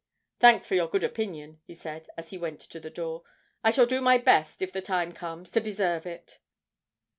'Thanks for your good opinion,' he said, as he went to the door. 'I shall do my best, if the time comes, to deserve it.'